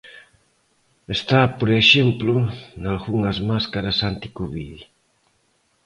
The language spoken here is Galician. Está, por exemplo, nalgunhas máscaras anticovid.